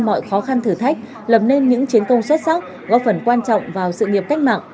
mọi khó khăn thử thách lập nên những chiến công xuất sắc góp phần quan trọng vào sự nghiệp cách mạng